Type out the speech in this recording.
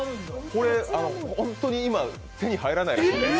これ、本当に今、手に入らないやつですよ。